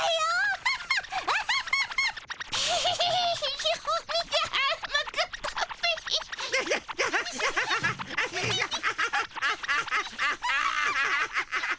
アハハアハハハ！